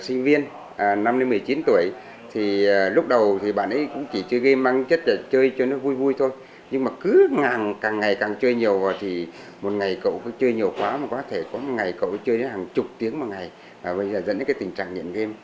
sinh viên năm một mươi chín tuổi thì lúc đầu thì bạn ấy cũng chỉ chưa game mang chất là chơi cho nó vui thôi nhưng mà cứ càng ngày càng chơi nhiều thì một ngày cậu cứ chơi nhiều quá mà có thể có một ngày cậu chơi đến hàng chục tiếng một ngày bây giờ dẫn đến cái tình trạng nghiện game